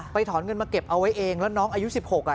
ถอนเงินมาเก็บเอาไว้เองแล้วน้องอายุ๑๖อ่ะ